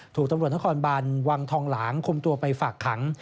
ถูกตำรวจนครบานวังทองหลางคุมตัวไปฝากขัง